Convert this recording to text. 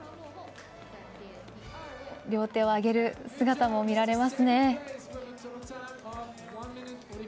両手を上げる姿も見られますね。